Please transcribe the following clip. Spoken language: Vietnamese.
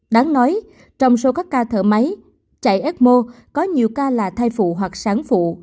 đáng nói trong số các ca thở máy chạy ecmo có nhiều ca là thai phụ hoặc sáng phụ